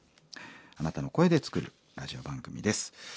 あなたの声で作るラジオ番組です。